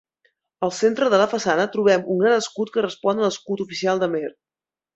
Al centre de la façana trobem un gran escut que respon a l'escut oficial d'Amer.